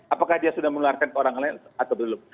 apakah dia sudah menularkan ke orang lain atau belum